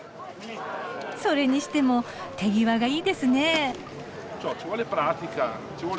それにしても手際がいいですね。